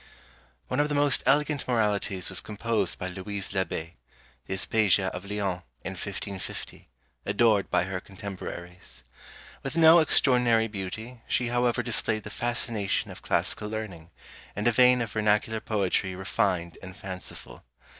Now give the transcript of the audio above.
One of the most elegant Moralities was composed by Louise L'Abé; the Aspasia of Lyons in 1550, adored by her contemporaries. With no extraordinary beauty, she however displayed the fascination of classical learning, and a vein of vernacular poetry refined and fanciful.